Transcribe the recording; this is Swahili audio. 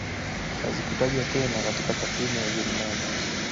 Hazikutajwa tena katika takwimu ya Ujerumani